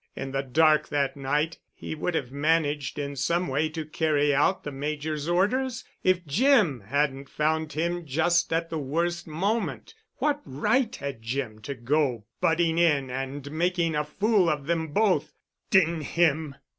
In the dark that night he would have managed in some way to carry out the Major's orders if Jim hadn't found him just at the worst moment. What right had Jim to go butting in and making a fool of them both! D—n him!